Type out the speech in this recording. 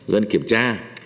dân kiểm tra